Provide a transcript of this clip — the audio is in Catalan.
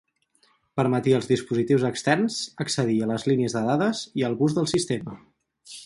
Permetia als dispositius externs accedir a les línies de dades i al bus del sistema.